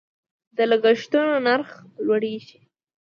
د لګښتونو نرخ لوړیږي.